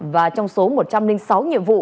và trong số một trăm linh sáu nhiệm vụ